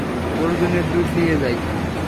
অর্জুনের দুধ নিয়ে যাই।